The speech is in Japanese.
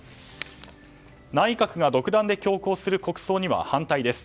内閣が独断で強行する国葬には反対です。